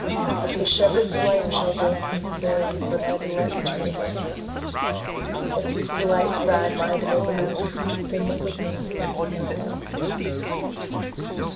20 The shepherd swains shall dance and sing For thy delight each May morning: If these delights thy mind may move, Then live with me and be my Love.